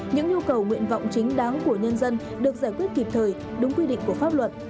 những nhu cầu nguyện vọng chính đáng của nhân dân được giải quyết kịp thời đúng quy định của pháp luật